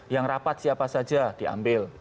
yang rapat siapa saja diambil